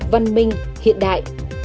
văn minh hiện đại